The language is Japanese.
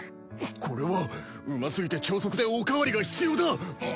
これはうますぎて超速でおかわりが必要だ。